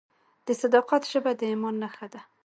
د صداقت ژبه د ایمان نښه ده.